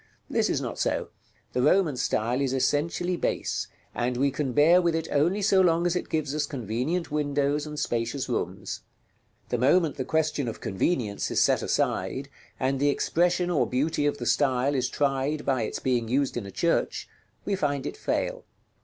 This is not so; the Roman style is essentially base, and we can bear with it only so long as it gives us convenient windows and spacious rooms; the moment the question of convenience is set aside, and the expression or beauty of the style is tried by its being used in a church, we find it fail.